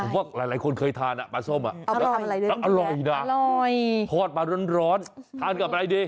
ผมว่าหลายคนเคยทานปลาส้มแล้วอร่อยนะอร่อยทอดมาร้อนทานกับอะไรดี